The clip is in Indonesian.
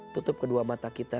tutup kedua mata kita